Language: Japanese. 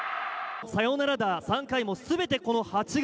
サヨナラ打３回もすべて、この８月。